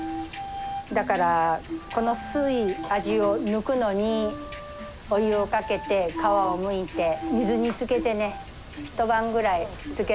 だからこの酸い味を抜くのにお湯をかけて皮をむいて水につけてね一晩ぐらいつけるんだけど。